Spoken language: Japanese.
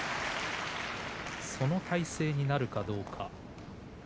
その体勢になるかどうか。